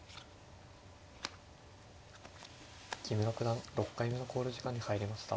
木村九段６回目の考慮時間に入りました。